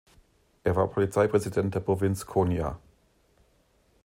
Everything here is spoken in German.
Er war Polizeipräsident der Provinz Konya.